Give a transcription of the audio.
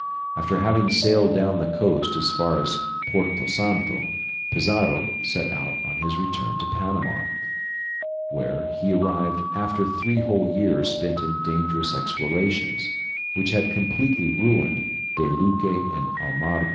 After having sailed down the coast as far as Porto Santo, Pizarro set out on his return to Panama, where he arrived after three whole years spent in dangerous explorations, which had completely ruined De Luque and Almagro.